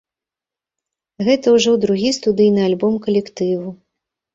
Гэта ўжо другі студыйны альбом калектыву.